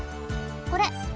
これ。